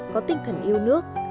có tinh thần yêu nước